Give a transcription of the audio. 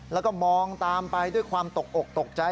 แล้วก็มองตามไปด้วยความตกอกตกใจ